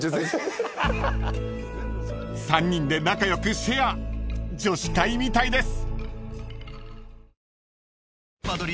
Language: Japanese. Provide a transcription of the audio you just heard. ［３人で仲良くシェア女子会みたいです］